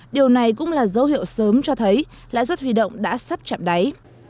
điều này cũng là dấu hiệu sớm cho thấy lãi suất huy động đã sắp chạm đáy